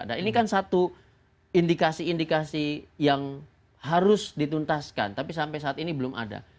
nah ini kan satu indikasi indikasi yang harus dituntaskan tapi sampai saat ini belum ada